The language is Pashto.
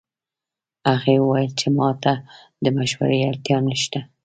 هغې وویل چې ما ته د مشورې اړتیا نه شته